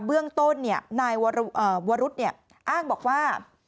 เบื้องต้นนายวรุษอ้างบอกว่า